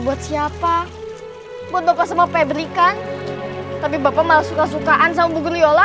buat siapa buat bapak semua pabrikan tapi bapak malah suka sukaan sama bu guryola